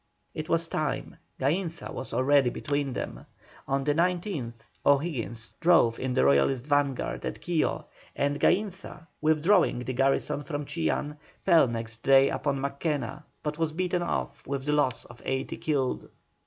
It was time; Gainza was already between them. On the 19th O'Higgins drove in the Royalist vanguard at Quilo, and Gainza, withdrawing the garrison from Chillán, fell next day upon Mackenna, but was beaten off with the loss of eighty killed.